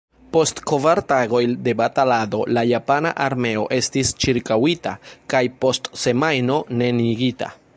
Post kvar tagoj de batalado la japana armeo estis ĉirkaŭita kaj post semajno neniigita.